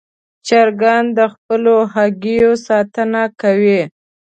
چرګان د خپلو هګیو ساتنه کوي.